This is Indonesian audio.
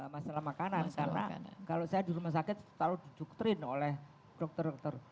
masalah makanan karena kalau saya di rumah sakit selalu diduktrin oleh dokter dokter